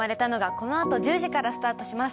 このあと１０時からスタートします